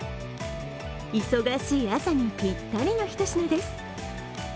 忙しい朝にぴったりのひと品です。